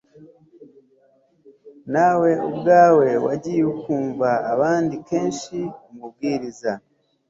nawe ubwawe wagiye uvuma abandi kenshi Umubwiriza